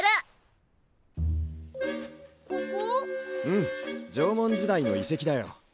うん縄文時代の遺跡だよ。